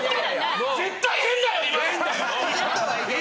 絶対変だよ！